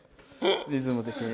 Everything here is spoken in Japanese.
リズム的に。